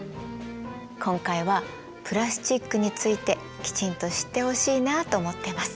今回はプラスチックについてきちんと知ってほしいなと思ってます。